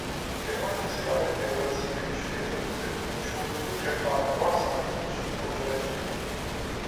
გერმანიის გარეთ ევრაზიერი იშვიათად გვხვდება, ჩვეულებრივ, ყეფა არ უყვარს, ამიტომ ცუდი მოდარაჯეა.